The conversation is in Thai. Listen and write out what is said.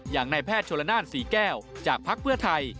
อย่างนายแพทย์โชลนานศรีแก้วจากภักดิ์เพื่อไทย